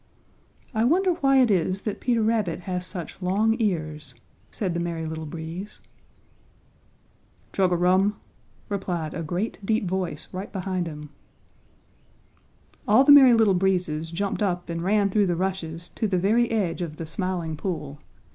"I wonder why it is that Peter Rabbit has such long ears," said the Merry Little Breeze. "Chug a rum!" replied a great, deep voice right behind him. All the Merry Little Breezes jumped up and ran through the rushes to the very edge of the Smiling Pool.